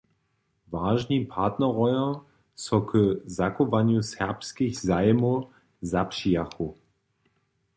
Wažni partnerojo so k zachowanju serbskich zajimow zapřijachu.